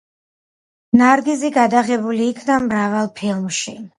ნარგიზი გადაღებული იქნა მრავალ ფილმში.